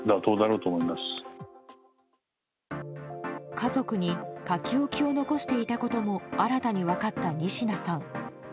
家族に書き置きを残していたことも新たに分かった仁科さん。